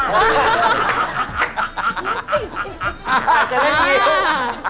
ไม่ได้คลับสิบ